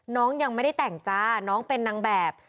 น้องยังไม่ได้แต่งจ้าน้องเป็นนางแบบ